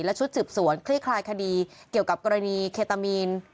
และชุดสืบสวนคลี่คลายคดีเกี่ยวกับกรณีเคตามีน